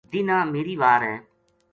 دینہا میری وار ہے